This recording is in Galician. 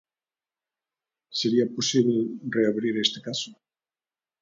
Sería posíbel reabrir este caso?